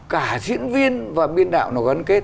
cả diễn viên và biên đạo nó gắn kết